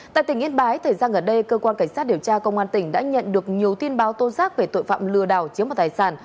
tại tỉnh yên bái thời gian gần đây cơ quan cảnh sát điều tra công an tỉnh đã nhận được nhiều tin báo tố giác về tội phạm lừa đảo chiếm vào tài sản